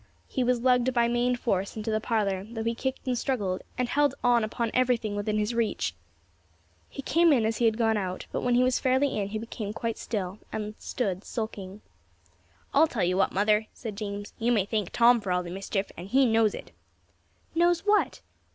He was lugged by main force into the parlour, though he kicked and struggled, and held on upon everything within his reach. He came in as he had gone out; but when he was fairly in, he became quite still, and stood sulking. "I'll tell you what, mother," said James, "you may thank Tom for all the mischief and he knows it." "Knows what?"